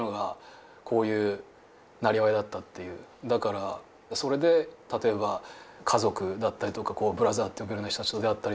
だからそれで例えば家族だったりとかブラザーと呼べるような人たちと出会ったりとか。